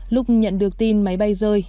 lúc nhận được tin máy bay rơi